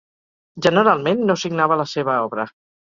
Generalment, no signava la seva obra.